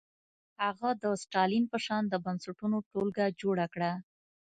هغه د ستالین په شان د بنسټونو ټولګه جوړه کړه.